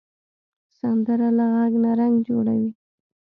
سندره له غږ نه رنګ جوړوي